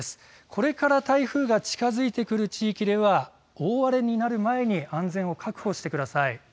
これから台風が近づいてくる地域では大荒れになる前に安全を確保してください。